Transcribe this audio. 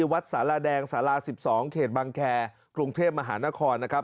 วัดสารแดงสารา๑๒เขตบังแคร์กรุงเทพมหานครนะครับ